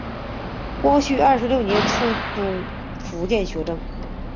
光绪二十六年出督福建学政。